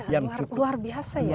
ya luar biasa ya